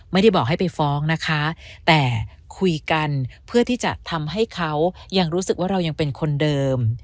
ไม่ได้บอกให้ไปฟ้องนะคะแต่คุยกันเพื่อที่จะทำให้เขายังรู้สึกว่าเรายังเป็นคนเดิม